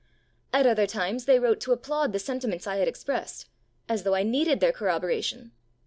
At other times they wrote to applaud the sentiments I had expressed as though I needed their corroboration!